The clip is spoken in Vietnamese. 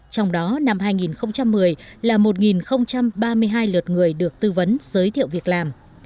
trong đó năm hai nghìn một mươi là một ba mươi hai lượt người được tư vấn giới thiệu việc làm